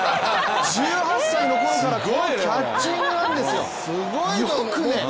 １８歳のころからこのキャッチングなんですよ。